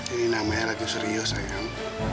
ini namanya radio serius ayo